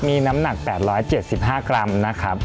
มีน้ำหนัก๘๗๕กรัมนะครับ